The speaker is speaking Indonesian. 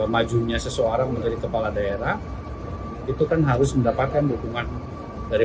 majunya seseorang menjadi kepala daerah itu kan harus mendapatkan dukungan dari